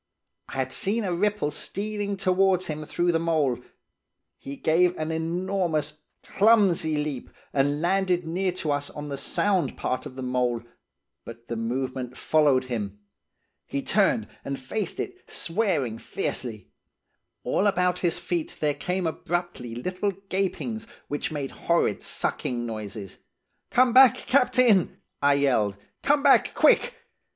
I had seen a ripple stealing towards him through the mould. He gave an enormous, clumsy leap, and landed near to us on the sound part of the mould, but the movement followed him. He turned and faced it, swearing fiercely. All about his feet there came abruptly little gapings, which made horrid sucking noises. 'Come back, captain!' I yelled. 'Come back, quick!